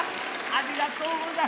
ありがとうございます。